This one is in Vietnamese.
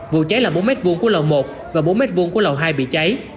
vụ cháy là bốn m hai của lầu một và bốn m hai của lầu hai bị cháy